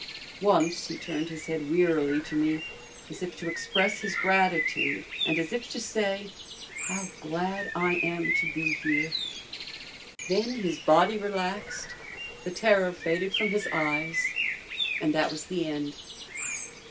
Once he turned his head wearily to me as if to express his gratitude and as if to say, "How glad I am to be here." Then his body relaxed, the terror faded from his eyes, and that was the end.